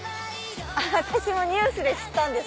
私もニュースで知ったんです。